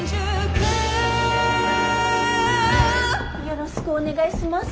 よろしくお願いします。